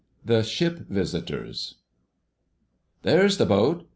* *THE SHIP VISITORS.* "There's the boat!"